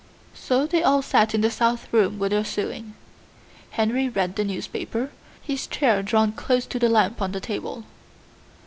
So they all sat in the south room with their sewing. Henry read the newspaper, his chair drawn close to the lamp on the table.